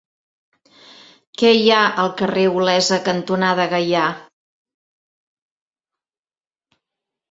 Què hi ha al carrer Olesa cantonada Gaià?